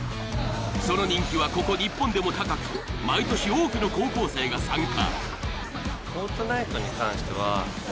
その人気はここ日本でも高く毎年多くの高校生が参加。